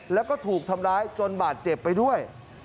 แล้วก็ถูกทำร้ายจนบาดเจ็บไปด้วย